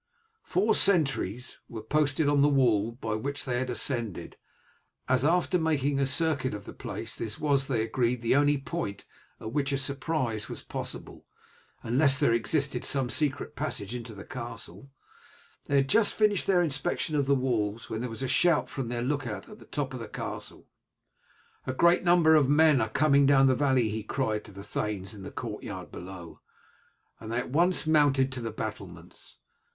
Four sentries were posted on the wall by which they had ascended, as after making a circuit of the place, this was they agreed the only point at which a surprise was possible, unless there existed some secret passage into the castle. They had just finished their inspection of the walls, when there was a shout from their look out at the top of the castle. "A great number of men are coming down the valley," he cried to the thanes in the courtyard below, and they at once mounted to the battlements.